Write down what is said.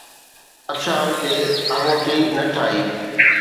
ته بادشاهن کي آڱوٺي نه ٺاهي